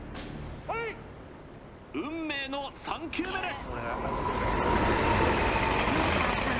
プレイ運命の３球目です！